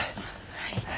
はい。